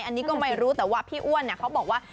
อันนี้ก็ไม่รู้แต่ว่าพี่อ้วนเขาบอกว่า